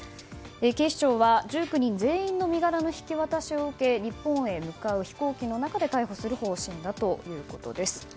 警視庁は１９人全員の身柄の引き渡しを受け日本へ向かう飛行機の中で逮捕する方針だということです。